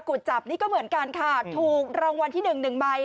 จับนี่ก็เหมือนกันค่ะถูกรางวัลที่หนึ่งหนึ่งใบ